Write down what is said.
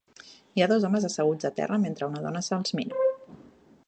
Hi ha dos homes asseguts a terra mentre una dona se'ls mira.